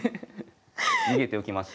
逃げておきました。